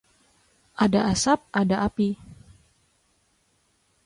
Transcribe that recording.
Ada asap ada api